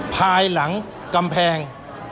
ภายหลังกำแพง